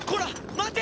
待て！